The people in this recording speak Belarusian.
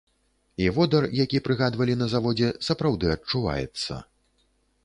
І водар, які прыгадвалі на заводзе, сапраўды адчуваецца.